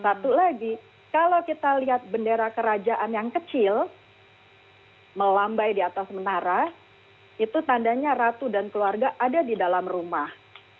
satu lagi kalau kita lihat bendera kerajaan yang kecil melambai di atas menara itu tandanya ratu dan keluarga ada di dalam rumah